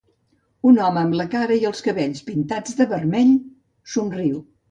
Un home amb la cara i els cabells pintats de vermell somriu.